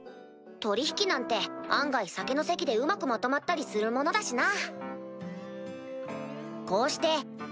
取引なんて案外酒の席でうまくまとまったりするものだしな。